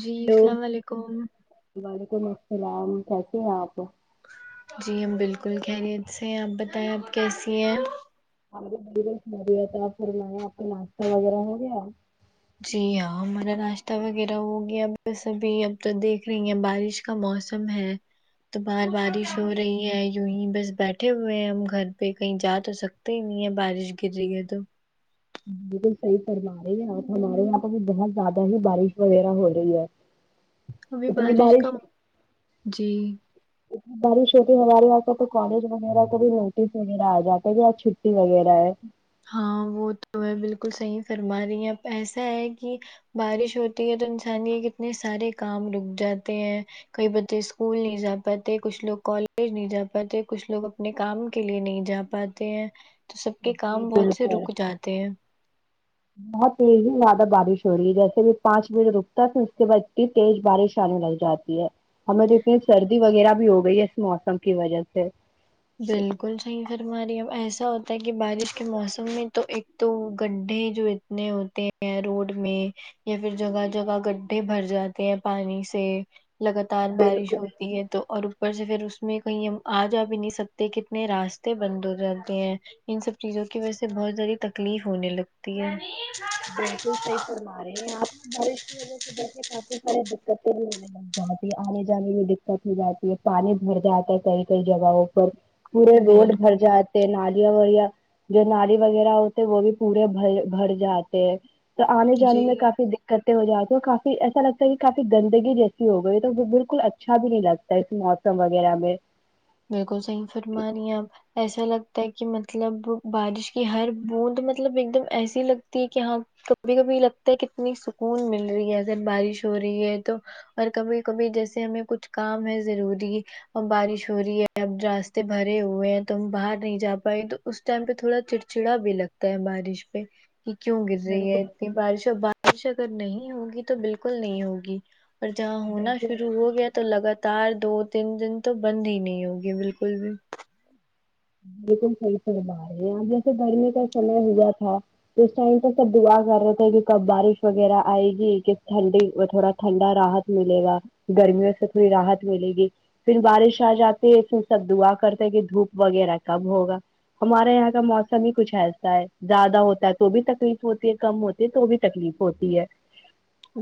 جی hello السلام علیکم وعلیکم السلام کیسے ہیں آپ جی ہم بالکل خیریت سے ہیں آپ بتائیں آپ کیسی ہیں بڑی بیا تھا پھر میں آپ کا ناشتہ وغیرہ ہو گیا جی ہاں ہمارا راشتہ وغیرہ ہو گیا اب بس ابھی اب تو دیکھ رہی ہیں بارش کا موسم ہے تو باہر بارش ہو رہی ہے یوں ہی بس بیٹھے ہوئے ہیں ہم گھر پہ کہیں جا تو سکتے نہیں ہے بارش گر رہی ہے تو بالکل صحیح فر مار ہے ہیں آپ ہمارے یہاں بھی بہت زیادہ ہی بارش وغیرہ ہو رہی ہے جی ابھی بارش کا جی اتنی بارش ہوتی ہے ہمارے یہاں کا تو کالج وغیرہ کا بھی نوٹس وغیرہ آ جاتا ہے کہ آج چھٹی وغیرہ ہے ہاں وہ تو ہے بالکل صحیح فرما رہی ہیں اب ایسا ہے کہ بارش ہوتی ہے تو انسانی یہ کتنے سارے کام رک جاتے ہیں کئی بچے اسکول نہیں جا پاتے کچھ لوگ کالج نہیں جا پاتے کچھ لوگ اپنے کام کے لیے نہیں جا پاتے ہیں تو سب کے جی کام بہت سے بالکل رک جاتے ہیں بہت تیز ہی زیادہ بارش ہو رہی ہے جیسے بھی پانچ منٹ رکتا ہے تھا اس کے بس تیز بارش آنے لگ جاتی ہے ہمیں دیکھے سردی وغیرہ بھی ہو گئی ہے اس موسم کی وجہ سے بالکل صحیح فرماری اب ایسا ہوتا ہے کہ بارش کے موسم میں تو ایک تو گڈھے جو تنے ہوتے ہیں روڈ میں یا پھر جگہ جگہ گڈھے بھر جاتے ہیں پانی سے لگاتار بالکل بارش ہوتی ہے تو اور اوپر سے پھر اس میں کہیں ہم آ جا بھی نہیںکتے سکتے کتنے راستے بند ہو جاتے ہیں ان سب چیزوں کی وجہ سے بہت ساری تکلیف ہونے لگتی ہے بالکل صحیح فرما رہے ہیں آپ بارش کی وجہ سے دیکھے کافی ساری دقتیں بھی ہونے جاتی آنے جانے میں دقت ہو جاتی ہے پانی بھر جاتا ہے کئی کئی جگہوں پر پورے روڈ بھر بالکل جات نالیاں ویرہ جو نالی وغیرہ ہوتے وہ بھی پورے بھ۔ بھر جاتے ہیں تو آنے جانے میں جی کافی دق تے ہو جاتے ہیں اور کافی ایسا لگتا ہے کہ کاف گندگی جیسی ہو گئی ہے تو بالکل اچھا بھی نہیں لگتا ایسی موسم وغیرہ میں بالکل صحیح فرما رہی ہیں آپ ایسا لگتا ہے کہ مطلب بارش کی ہر بوند مطلب ایک دم ایسی لگتی ہے کہ ہاں ک کبھی کبھی لگتا ہے کہ اتنی سکون مل رہی ہےس بارش ہو رہی ہے تو اور کبھی کبھی جیسے ہمیں کچھ کام ہے ضروری اور بارش چھوری ہے اب راستے بھرے ہوئے ہیں تو ہم باہر نہیں جا پائے تو اس ٹائم پہ تھوڑا چڑچڑا بھی لگ تا ہے بارش پہ کہ کیوں گر رہی ہے بالکل اتنی بارش اور بارش اگر نہیں ہوگی تو بالکل نہیں ہوگی اور جہاں ہونا شروع ہو گیا تو لگاتار دو تین دن تو بند ہی نہیں ہوگی بالکل بھی بالکل صحیح فرمارہی ہیں آپ جیسے گرمی کا سمے ہوا تھا تو اس ٹائم تو سب دعا کر رہے تھے کہ کب بارش وغیرہ آئے گی کس ٹھنڈی تھوڑا ٹھنڈا راحت ملے گا گرمیوں سے تھوڑی راحت ملے گی پھر بارش آجاتی ہے پھر سب دعا کرتے ہیں کہ دھوپ وغیرہ کب ہوگا ہمارے یہاں کا موسم ہی کچھ ایسا ہے زیادہ ہوتا ہے تو بھی تکلیف ہوتی ہے کم ہو تو بھی تکلیف ہوتی ہے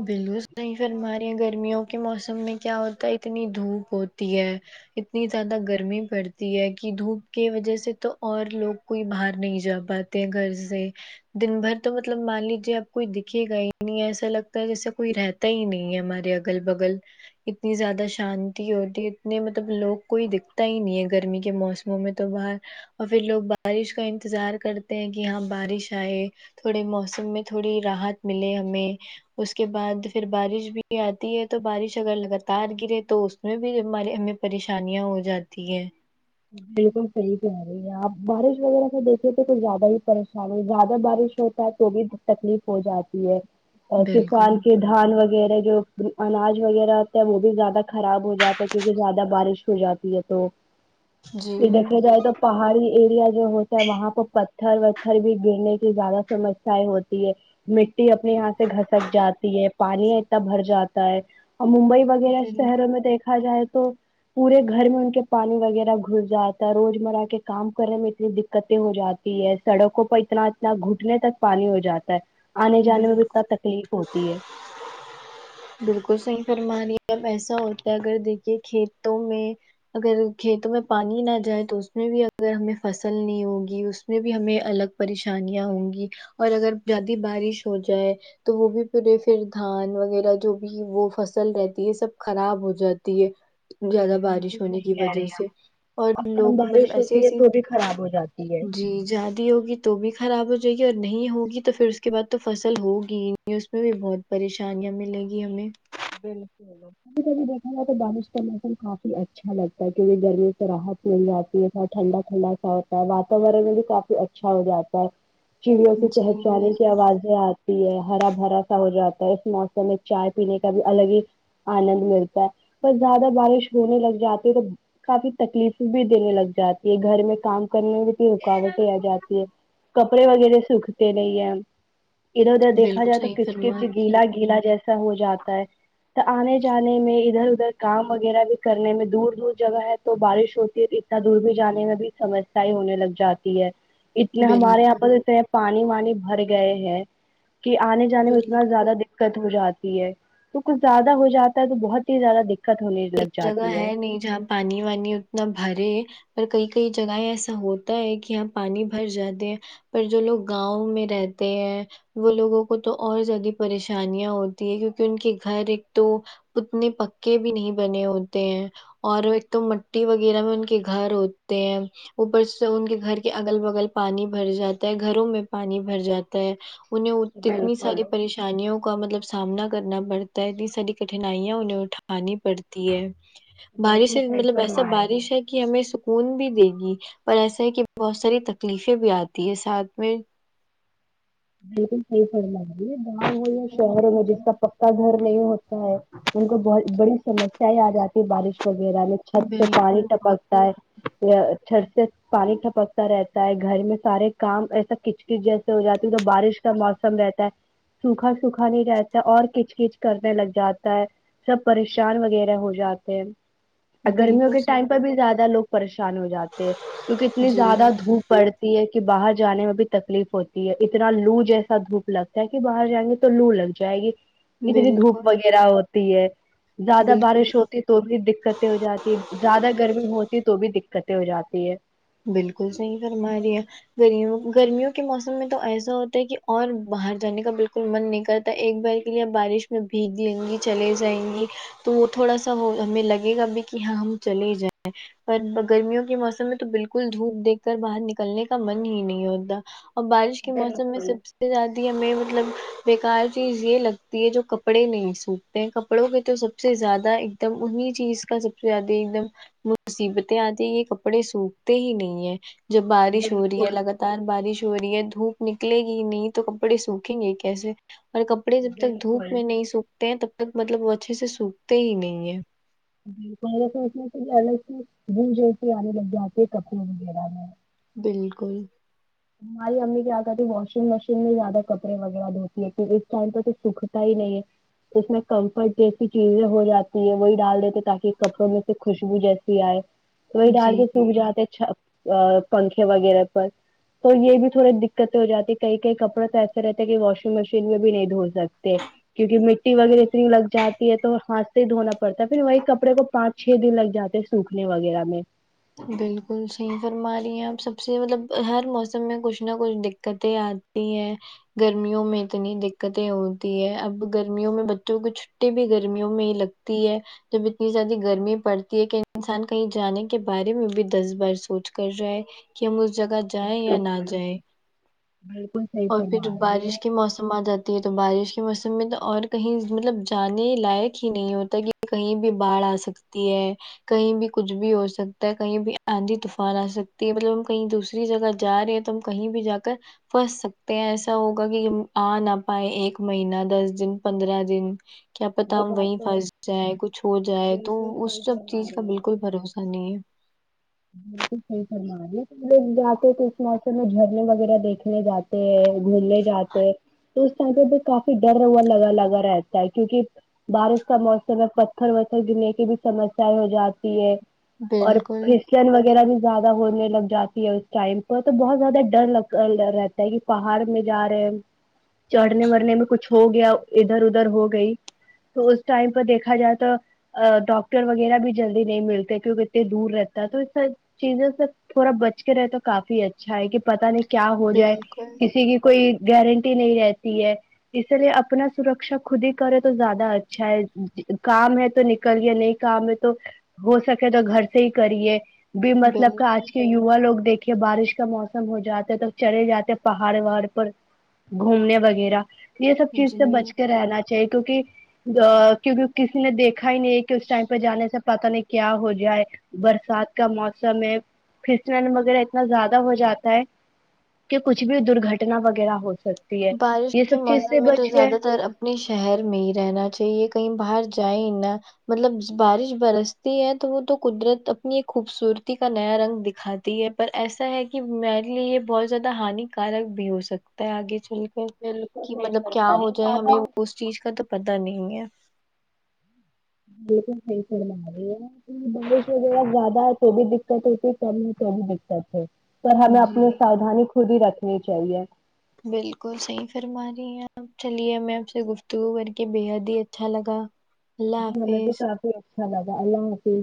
بالکل صحیح فرما رہی ہے گرمیوں کے موسم میں کیا ہوتا ہے اتنی دھوپ ہوتی ہے اتنی زیادہ گرمی پڑتی ہے کہ دھوپ کی وجہ سے تو اور لوگ کوئی باہر نہیں جا پاتے ہیں گھر سے دن بھر تو مطلب مان لیجیے آب کوئی دکھے گا ہی نہیں ایسا لگتا جیسے کوئی رہتا ہی نہیں ہے ہمارے اگل بگل اتنی زیادہ شانتی ہوتی اتنے مطلب لوگ کوئی دکھتا ہی نہیں ہے گرمی کے موسم میں تو باہر اور پھر لوگ بارش کا انتظار کرتے ہیں کہ یہاں پہ بارش آئے تھوڑے موسم میں تھوڑی راحت ملے ہمیں اس کے بعد پھر بارش بھی آتی ہے تو بارش اگر لگاتار گرے تو میں بھی ہمارے ہمیں پریشانیاں ہو جاتی ہیں بالکل صحیح کہہ رہی ہے آپ بارش وغیرہ سے دیکھے تھے تو زیادہ ہی پریشان ہو زیادہ بارش ہو تو بھی تکلیف ہو جاتی ہے اور بالکل کسان کے دھان وغیرہ جو اناج وغیرہ ہوتا ہے وہ بھی زیادہ خراب ہو جاتا ہے کیونکہ زیادہ بارش ہو جاتی ہے تو جی یہ دیکھا جائے تو پہاڑی ایریا جو ہوتا ہے وہاں پہ پتھر وتھر بھی گرنے کی زیادہ سمسیاے ہوتی ہے مٹی اپنے یہاں سے گھسک جاتی ہے پانی اتنا بھر جاتا ہے اور ممبئی وغیرہ شہروں بالکل میں دیکھا جائے تو پورے گھر میں ان کے پانی وغیرہ گھس جاتا ہے روز مرہ کے کام کرنے میں اتنی دقتیں ہو جاتی ہے سڑکوں پر اتنا نا گھٹنے تک پانی ہو جاتا ہے آنے جانے میں بھی بالکل اتنا تکلیف ہوتی ہے بالکل صحیح فرما رہی اب ایسا ہوتا ہے اگر دیکھیے کھیتوں میں اگر کھیتوں میں پانی نہ جائے تو اس میں بھی اگر ہمیں فصل نہیں ہوگی میں بھی الگ پریشانیاں ہوں گی اور اگر زیادہ بارش ہو جائے تو وہ بھی پورے پھر دھان وغیرہ جو بھی وہ فصل رہتی ہے سب خراب ہو جاتی ہے زیادہ بارش ہونے صحیح کی کہہ رہی وجہ سے اور لوگوں کو مطلب ایسے ایسی جی زیادی ہوگی تو بھی خراب ہو جائے گی اور نہیں ہوگی تو پھر اس کے بعد تو فصل ہوگی ہی نہیں اس میں بھی بہت پریشانیاں ملے گی ہمیں بالکل ابھی دیکھا جائے تو بارش کا موسم کافی اچھا لگتا ہے کیونکہ گرمی سے راحت مل جاتی ہے تھوڑا ٹھنڈا ٹھنڈا سا ہوتا ہے واتاورن میں بھی کافی اچھا ہو جاتا ہے چڑیوں جی کے چہچانے بالکل کی آوازیں آتی تی ہے ہرا بھرا سا ہو جاتا ہے اس موسم میں چائے پینے کا بھی الگ ہی آنند ملتا ہے پر زیادہ بارش ہونے لگ جاتی تو کافی تکلیف بھی دینے لگ جاتی ہے گھر میں کام کرنے میں بھی رکاوٹ ہی آ جاتی ہے کپڑے وغیرہ سکھتے نہیں ہے ادھر ادھر دیکھا بالکل جائے تو صحیح کچ فرما کچ گیلا گیلا جیسا ہو جاتا ہے تو آنے جانے میں ادھر ادھر کام وغیرہ بھی کرنے میں دور دور جگہ ہے تو بارش ہوتی ہے دور بھی جانے میں بھی سمسیا ہونے لگ جاتی ہے اتنے ہمارے یہاں بالکل پر اتنے پانی وانی بھر گئے ہیں کہ آنے سے جانے میں اتنا بالکل زیادہ دقت ہو جاتی ہے تو کچھ زیادہ ہو جاتا ہے تو بہت ہی زیادہ دق ت ہونے لگ جگہ جاتی ہے نہیں جہاں پانی وانی اتنا بھرے پر کئی کئی جگہیں ایسا ہوتا ہے کہ یہاں پانی بھر جاتے ہیں پر جو لوگ گاؤں میں رہتے ہیں وہ لوگوں کو تو اور زیادہ پریشانیاں ہوتی ہے کیونکہ ان کے گھر ایک تو اتنے پکے بھی نہیں بنے ہوتے ہیں اور ایک تو مٹی وغیرہ میں ان کے گھر ہوتے ہیں اوپر سے ان کے گھر کے اگل بگل پانی بھر جاتا ہے گھروں میں پانی بھر جاتا ہے انہیں اتنی ساری پریش انیوں کا مطلب سامنا کرنا پڑتا ہے اتنی ساری کٹھنائیاں انہیں اٹھانی پڑتی ہے بارش ہے مطلب ایسا بارش ہے کہ ہمیں سکون بھی دے گی پر ایسا ہے کہ بہت ساری تکلیفیں بھی آتی ہے ساتھ میں بالکل صحیح فرما یہ گاؤں ہو شہروں میں جس کا پکا گھر نہیں ہوتا ہے ان کو بہت بڑی سمسیا آ جاتی ہے بارش وغیرہ میں چھت سے پانی بالکل ٹپکتا ہے یا چھت سے پانی ٹپکتا رہتا ہے گھر میں سارے کام ایسا کچ کچ جیسے ہو جاتا جب بارش کا موسم رہتا ہے سوکھا سوکھا نہیں رہتا اور کچ کچ کرنے لگ جاتا ہے سب پریشان وغیرہ ہو جاتے ہیں گرمیوں بالکل کے ٹائم پر صحیح بھی زیادہ لوگ پریشان ہو جاتے کیونکہ اتنی زیادہ جی دھوپ پڑتی ہے کہ باہر جانے میں بھی تکلیف ہوتی ہے اتنا لو جیسا دھوپ لگتا ہے کہ باہر جائیں گے تو لو لگ جائے گی اتنی دھوپ بالکل وغیرہ ہوتی ہے زیادہ بالکل بارش ہوتی تو بھی دکتیں ہو جاتی ہے زیادہ گرمی ہوتی تو بھی دکتیں ہو جاتی ہے بالکل صحیح فرما رہی ہے گرمیوں گرمیوں کے موسم میں تو ایسا ہوتا ہے کہ اور باہر جانے کا بالکل من نہیں کر ایک بار کے لیے بارش میں بھیگ دیں گی چلے جائیں گی تو وہ تھوڑا سا وہ ہمیں لگے گا بھی کہ ہاں ہم چلے جائیں پر گرمیوں کے موسم میں تو بال کل دھوپ دیکھ کر باہر نکلنے کا من ہی نہیں ہوتا اور بارش کے موسم میں سب سے جاتی ہے میں مطلب بیکار چیز یہ لگتی ہے جو کپڑے نہیں سوکھتے ہیں کپڑوں کے تو سب سے زیادہ ایک دم انہیں چیز کا سب سے زیادہ ایک دم مصیبتیں آتی یہ کپڑے سوٹ ہی نہیں ہے جب بارش ہو رہی ہے لگات ار بارش ہو رہی ہے دھوپ نکلے گی نہیں تو کپڑے سوکھیں گے کیسے اور کپڑے جب تک دھوپ میں نہیں سوکھتے ہیں تب تک مطلب وہ اچھے سے سوکھتے ہی نہیں ہے سونا کہ پہلے سے [unintelligible] د جیس آنے لگ جاتے ہے کپڑے وغیرہ میں بالکل ہماری امی کیا کہتی واشنگ مشین میں زیادہ کپڑے وغیرہ دھوتی ہے کی اس ٹائم پے تو سوکھتا ہی نہیں ہے تو اس میں کمفرٹ جیسی چیزیں ہو جاتی ہیں وہی ڈال دیتے تاکہ کپڑوں میں سے خوشبو جیسی آئے تو وہی ڈال جی کے سوکھ جاتے چ پنکھے وغیرہ پر تو یہ بھی تھوڑی دکتیں ہو جاتی کئی کئی کپڑے تو ایسے رہتے ہیں کہ واشنگ مشین میں بھی نہیں دھو سکتے کیونکہ مٹی وغیرہ اتنی لگ جاتی تو ہاتھ سے ہی دھونا پڑتا ہے پھر وہی کپڑے کو پانچ چھ دن لگ جاتے ہیں سوکھنے وغیرہ میں بالکل صحیح فرما رہی ہیں آپ سب سے مطلب ہر موسم میں کچھ نہ کچھ دقتیں آت تی ہے گرمیوں میں اتنی دکتیں ہوتی ہے اب گرمیوں میں بچوں کو چھٹی بھی گرمیوں میں ہی لگ تی ہے جب اتنی زیادہ گرمی پڑتی ہے کہ انسان کہیں جانے کے بارے میں بھی دس بار سوچ کر جائے کہ ہم اس جگہ جائیں یا نہ جائیں بالکل صحیح اور فرما پھر رہی ہے بارش کے موسم آ جاتی تو بارش کے موسم میں تو اور کہیں مطلب جانے لائق ہی نہیں ہوتا کہ کہیں بھی باڑھ آ سکتی ہے کہیں بھی کچھ بھی ہو سکتا ہے کہیں بھی آندھی طوفان آ سکتی ہے مطلب ہم کہیں دوسری جگہ جا رہے ہیں تو ہم کہیں بھی جا کر پنس سک تو ایسا ہوگا کہ آ نہ پائے ایک مہینہ دس دن پندرہ دن کیا پتہ ہم وہیں پھنس جائے کچھ ہو جائے تو اس سب چیز کا بالکل بھروسہ نہیں ہے بالکل صحیح فرمایا اپنے لوگ جاتے ہیں کرسمس میں جھرنے وغیرہ دیکھنے جاتے ہیں گھومنے جاتے تو اس ٹائم پہ بھی کافی ڈر ہوا لگا لگا رہتا ہے کیونکہ بارش کا موسم ہے پتھر وتھر گرنے کی بھی سمسیا ہو جاتی ہے بالکل ن وغیرہ بھی زیادہ ہونے لگ جاتی ہے اس ٹائم پر تو بہت زیادہ ڈر لگ رہتا ہے کہ پہاڑ میں جا رہے ہیں چڑھنے وڑنے میں کچھ ہو گیا ادھر ادھر ہو گئی تو اس ٹائم پہ دیکھا جائے تو ا ڈاکٹر وغیرہ بھی جلدی نہیں ملتے کیونکہ اتنے دور رہ تو یہ سب چیزوں سے تھوڑا بچ کے رہے تو کافی اچھا ہے کہ پتا نہیں کیا ہو جائے بالکل کسی کی کوئی گارنٹی نہیں رہتی ہے اسی لیے اپنا سرکشا خود ہی کرے تو زیادہ اچھا ہے کام ہے تو ن کرے نہیں کام ہے تو ہو سکے تو گھر سے ہی کریے بھی مطلب کا بالکل آج کے یوا لوگ دیکھے بارش کا موسم ہو جاتا ہے تو چلے جاتے پہاڑ وہاڑ پر گھومنے وغیرہ یہ سب چیز سے جی بچ کے رہنا چاہیے کیونکہ کیونکہ کسی نے دیکھا ہی نہیں ہے کہ اس ٹائم پہ جانے سے پتاہ نہیں کیا ہو جائے برسات کا موسم ہے پسنن وغیرہ اتنا زیادہ ہو جاتا ہے کہ کچھ بھی درگٹنا وغیرہ ہو سک بارش کے موسم میں تو زیادہ تر اپنے شہر میں ہی رہنا چاہیے کہیں باہر جائیں نہ مطلب بارش برستی ہے تو وہ تو قدرت اپنی ایک خوبصورتی کا نیا رنگ دکھا تی ہے پر ایسا ہے کہ میرے لیے یہ بہت زیادہ ہانیکارک بھی ہو سکتا ہے آگے بالکل کہ مطلب کیا ہو جائے ہمیں اس چیز کا تو پتا نہیں ہے بالکل صحیح فرما رہی ہے نہ بارش وغیرہ زیادہ ہے تو بھی دقت ہوتی کم ہے تو بھی دقت ہے تو ہمیں جی اپنی ساودھانی خود ہی رکھنی چاہیے بالکل صحیح فرما رہی ہیں آپ چلیے میں آپ سے گفتگو کر کے بے حد ہی اچھا لگا اللہ مجھے بھی حافظ کافی اچھا لگا اللہ حفظ